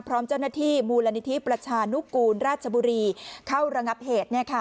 พร้อมเจ้าหน้าที่มูลนิธิประชานุกูลราชบุรีเข้าระงับเหตุ